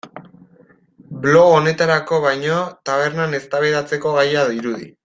Blog honetarako baino tabernan eztabaidatzeko gaia dirudi.